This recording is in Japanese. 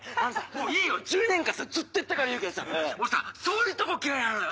もういいよ１２年間さずっとやってたから言うけどさ俺さそういうとこ嫌いなのよ！